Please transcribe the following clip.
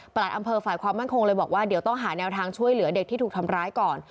อำเภอฝ่ายความมั่นคงเลยบอกว่าเดี๋ยวต้องหาแนวทางช่วยเหลือเด็กที่ถูกทำร้ายก่อน